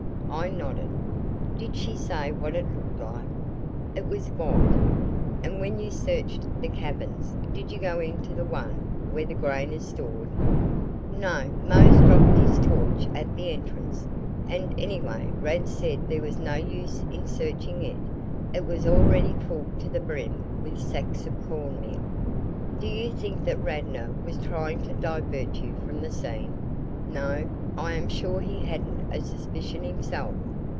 I nodded. "Did she say what it looked like?" "It was white." "And when you searched the cabins did you go into the one where the grain is stored?" "No, Mose dropped his torch at the entrance. And anyway Rad said there was no use in searching it; it was already full to the brim with sacks of corn meal." "Do you think that Radnor was trying to divert you from the scene?" "No, I am sure he hadn't a suspicion himself."